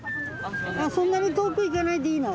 そんなに遠く行かないでいいの。